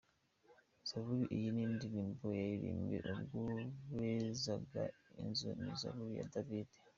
Zaburi iyi ni Indirimbo yaririmbwe ubwo bezaga Inzu. Ni Zaburi ya Dawidi.